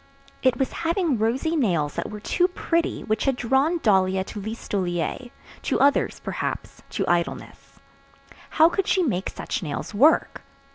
It was having rosy nails that were too pretty which had drawn Dahlia to Listolier, to others perhaps, to idleness. How could she make such nails work?